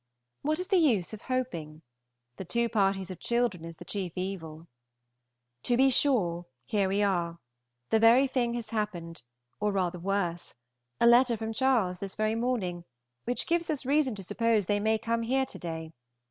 What is the use of hoping? The two parties of children is the chief evil. To be sure, here we are; the very thing has happened, or rather worse, a letter from Charles this very morning, which gives us reason to suppose they may come here to day.